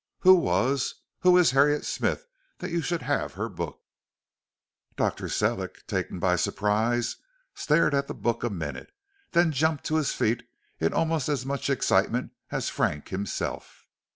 Who was, who is Harriet Smith, that you should have her book?" Dr. Sellick, taken by surprise, stared at the book a minute, then jumped to his feet in almost as much excitement as Frank himself.